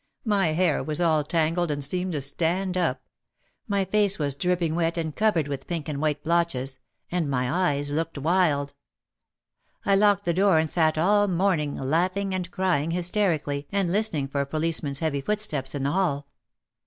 My hair was all tangled and seemed to stand up. My face was drip ping wet and covered with pink and white blotches, and my eyes looked wild. I locked the door and sat all morning laughing and crying hysterically and listening for a policeman's heavy footsteps in the hall.